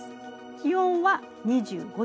気温は２５度。